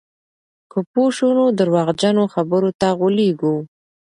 که پوه شو، نو درواغجنو خبرو ته غولېږو.